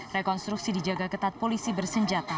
rekonstruksi dijaga ketat polisi bersenjata